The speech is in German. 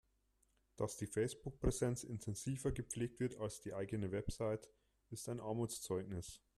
Dass die Facebook-Präsenz intensiver gepflegt wird als die eigene Website, ist ein Armutszeugnis.